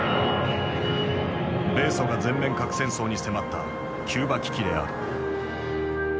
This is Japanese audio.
米ソが全面核戦争に迫ったキューバ危機である。